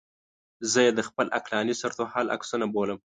زه یې د خپل عقلاني صورتحال عکسونه بولم.